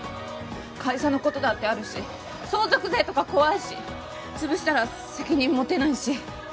会社のことだってあるし相続税とか怖いし潰したら責任持てないし。